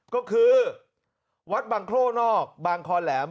ก็คือวัดบางโคล่นอกบางคอแหลม